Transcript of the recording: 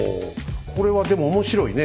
これはでも面白いね。